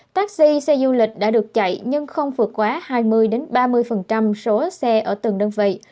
taxi xe du lịch đã được chạy nhưng không vượt quá hai mươi ba mươi số xe ở từng đơn vị